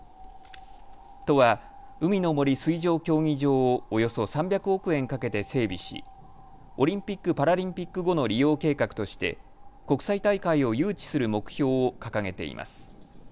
都は海の森水上競技場をおよそ３００億円かけて整備しオリンピック・パラリンピック後の利用計画として国際大会を誘致する目標を掲げています。